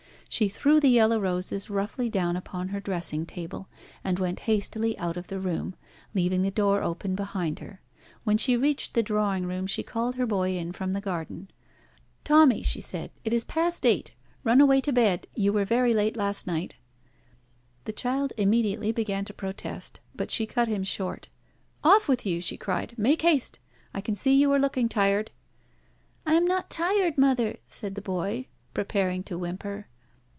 She threw the yellow roses roughly down upon her dressing table and went hastily out of the room, leaving the door open behind her. When she reached the drawing room she called her boy in from the garden. "Tommy," she said, "it is past eight. Run away to bed. You were very late last night." The child immediately began to protest; but she cut him short. "Off with you," she cried. "Make haste. I can see you are looking tired." "I am not tired, mother," said the boy, preparing to whimper.